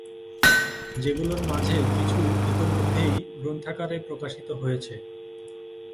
যেগুলোর মাঝে কিছু ইতিমধ্যেই গ্রন্থাকারে প্রকাশিত হয়েছে।